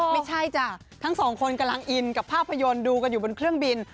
ไม่ใช่จ้ะทั้งสองคนกำลังอินกับภาพยนตร์ดูกันอยู่บนเครื่องบิน